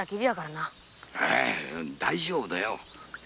大丈夫だよ。